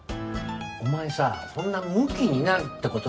お前さそんなムキになるって事はさ。